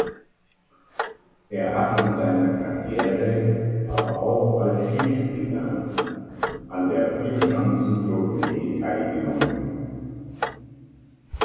Er hat in seiner Karriere aber auch als Skispringer an der Vierschanzentournee teilgenommen.